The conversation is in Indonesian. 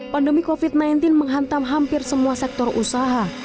pandemi covid sembilan belas menghantam hampir semua sektor usaha